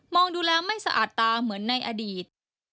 องดูแล้วไม่สะอาดตาเหมือนในอดีต